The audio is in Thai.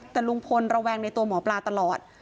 แต่ลุงพลระแวงในตัวหมอปลาตลอด